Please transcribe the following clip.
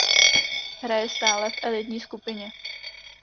Hraje stále v elitní skupině.